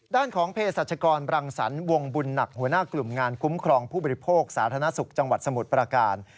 ด้านของเพศรัชกรบรังสรรควงบุญหนักหัวหน้ากลุ่มงานคุ้มครองผู้บริโภคสาธารณสุขจังหวัดสมุทรประการ